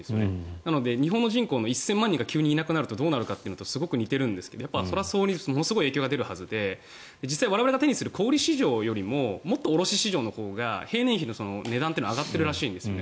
なので、日本の人口の１０００万人が急にいなくなるとどうなるかっていうのとすごく似ているんですがそれはものすごく影響が出るはずで我々が手にする小売市場よりも卸市場のほうが平年比の値段というのは上がってるらしいんですね。